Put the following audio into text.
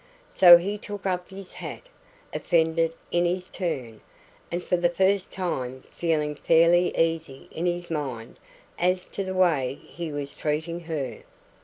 So he took up his hat, offended in his turn, and for the first time feeling fairly easy in his mind as to the way he was treating her.